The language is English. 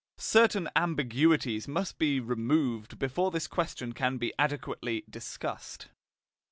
Certain ambiguities must be removed before this question can be adequately discussed.